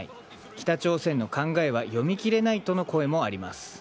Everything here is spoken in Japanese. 北朝鮮の考えは読み切れないとの声もあります。